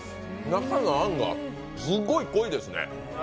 中のあんが、すごい濃いですね。